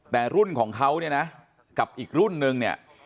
แต่รุ่นของเขานี่นะกับอีกรุ่นนึง